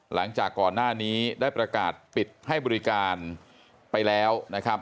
หลังจากก่อนหน้านี้ได้ประกาศปิดให้บริการไปแล้วนะครับ